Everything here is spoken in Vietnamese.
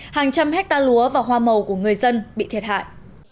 hàng trăm hectare lúa và hoa màu của người dân bị thiệt hại